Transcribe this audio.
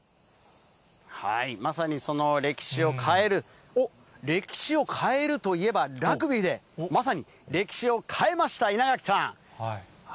まさにその歴史を変える、おっ、歴史を変えるといえば、ラグビーでまさに歴史を変えました稲垣さん。